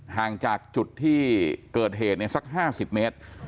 ห่างจากจุดที่เกิดเหตุเนี่ยสักห้าสิบเมตร